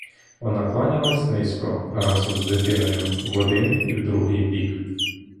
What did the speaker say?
Вона кланялась низько, разом з дитиною, в один і в другий бік.